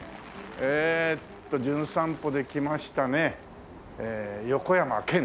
えーっと『じゅん散歩』で来ましたね横山剣！